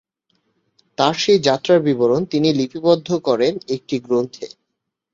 তাঁর সেই যাত্রার বিবরণ তিনি লিপিবদ্ধ করেন একটি গ্রন্থে।